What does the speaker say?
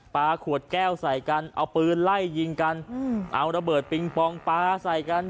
ขวดแก้วใส่กันเอาปืนไล่ยิงกันเอาระเบิดปิงปองปลาใส่กัน